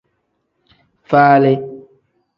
Falii.